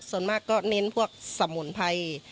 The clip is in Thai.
ส่วนมากก็เน้นพวกสมุนไพร